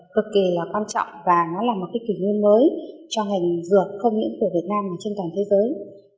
cực kỳ quan trọng và nó là một kỷ niệm mới cho ngành dược không những của việt nam mà trên toàn thế giới